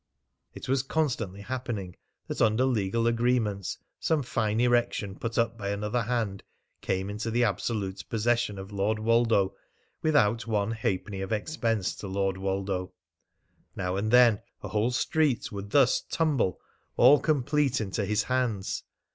It was constantly happening that under legal agreements some fine erection put up by another hand came into the absolute possession of Lord Woldo without one halfpenny of expense to Lord Woldo. Now and then a whole street would thus tumble all complete into his hands.